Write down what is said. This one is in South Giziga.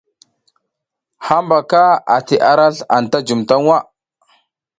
Hambaka ati arasl anta jum ta waʼa.